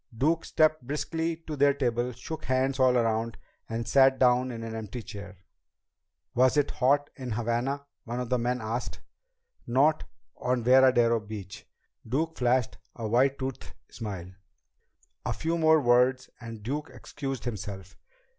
Duke stepped briskly to their table, shook hands all around, and sat down in an empty chair. "Was it hot in Havana?" one of the men asked. "Not on Veradero Beach." Duke flashed a white toothed smile. A few more words and Duke excused himself.